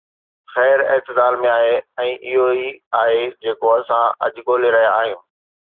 خير اعتدال ۾ آهي ۽ اهو ئي آهي جيڪو اسان اڄ ڳولي رهيا آهيون.